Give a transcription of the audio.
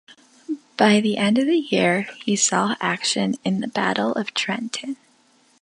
By the end of the year, he saw action in the Battle of Trenton.